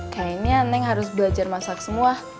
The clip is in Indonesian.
kayaknya neng harus belajar masak semua